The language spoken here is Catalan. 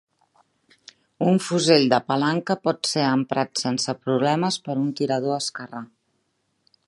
Un fusell de palanca pot ser emprat sense problemes per un tirador esquerrà.